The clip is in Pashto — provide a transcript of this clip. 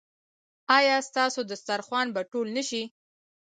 ایا ستاسو دسترخوان به ټول نه شي؟